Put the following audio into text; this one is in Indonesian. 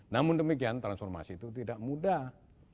namun demikian transformasi itu tidak mudah